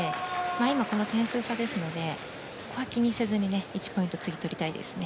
今、この点数差ですのでそこは気にせずに１ポイント次、取りたいですね。